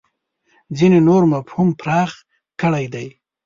ځینې نور مفهوم پراخ کړی دی.